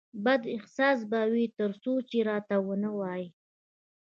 بد احساس به وي ترڅو چې راته ونه وایې